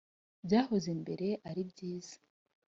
byahoze mbere ari byiza